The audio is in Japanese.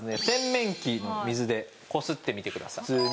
洗面器の水でこすってみてください。